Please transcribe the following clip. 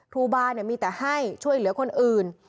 ครูบามีแต่ให้ช่วยเหลือคนอื่น